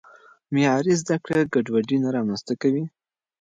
معیاري زده کړه ګډوډي نه رامنځته کوي.